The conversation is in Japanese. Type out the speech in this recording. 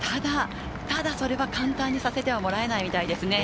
ただ、それは簡単にさせてはもらえないみたいですね。